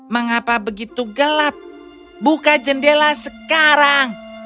mengapa begitu gelap buka jendela sekarang